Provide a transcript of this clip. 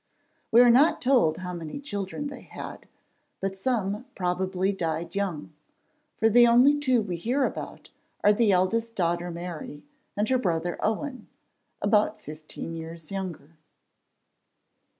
We are not told how many children they had, but some probably died young, for the only two we hear about are the eldest daughter Mary and her brother Owen, about fifteen years younger.